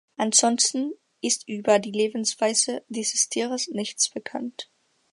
Ansonsten ist über die Lebensweise dieses Tieres nichts bekannt.